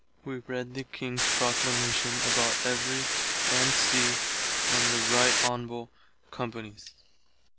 Wee read the King's Proclamation about Every, &c., and the Right Honble. Company's.